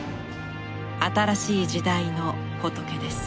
新しい時代の仏です。